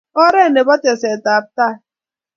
oret nebo tesei tab tai